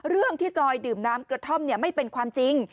เรื่องที่จอยดื่มน้ำกระท่อมไม่เป็นความจริง